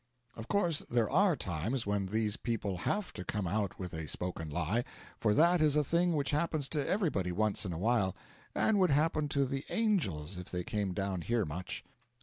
Of course, there are times when these people have to come out with a spoken lie, for that is a thing which happens to everybody once in a while, and would happen to the angels if they came down here much.